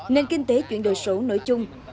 nền kinh tế chuyển đổi số nổi chung